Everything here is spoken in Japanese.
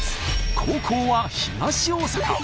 後攻は東大阪。